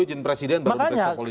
izin presiden baru diperiksa polisi